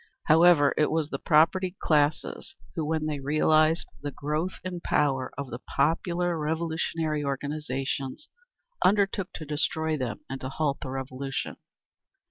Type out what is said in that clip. However, it was the propertied classes, who, when they realised the growth in power of the popular revolutionary organisations, undertook to destroy them and to halt the Revolution.